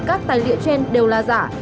các tài liệu trên đều là giả